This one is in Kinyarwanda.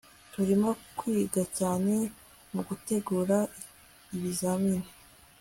turimo kwiga cyane mugutegura ibizamini